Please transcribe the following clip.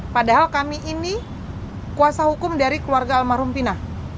padahal kami ini kuasa hukum dari keluarga almarhum pina